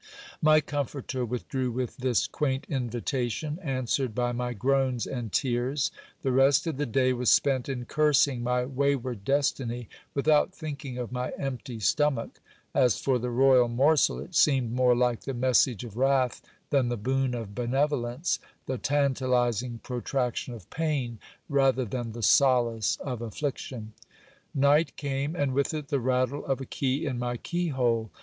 My comforter withdrew with this quaint invitation, answered by my groans and tears. The rest of the day was spent in cursing my wayward destiny, with out thinking of my empty stomach. As for the royal morsel, it seemed more like the message of wrath than the boon of benevolence ; the tantalizing pro traction of pain, rather than the solace of affliction. Night came, and with it the rattle of a key in my keyhole.